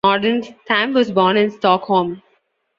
Nordenstam was born in Stockholm.